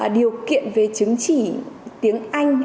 điều kiện về chứng chỉ tiếng anh